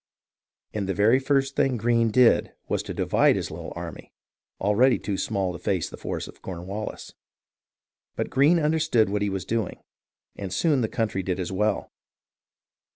And the very first thing Greene did was to divide his little army, already too small to face the force of Cornwallis. But Greene understood what he was doing, and soon the country did as well.